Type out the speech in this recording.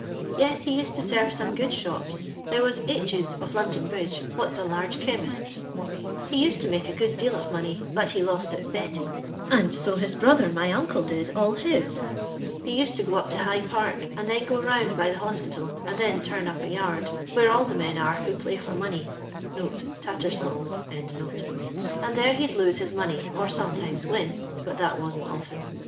Teti he used to serve some good shops : there was H 's, of London Bridge, what's a large chemist's. He used to make a good deal of money, but he lost it betting; and 10 Ids LONDON LABOUR AND THE LONDON POOR. 495 Vcother, my vnole, did all his. He used to go up to High Park, and then go loond by the Hospital, and then torn np a yard, where all the men are who play for money [TattersaU's] ; and there he'd lose his money, or sometimes win, — but that wasn't often.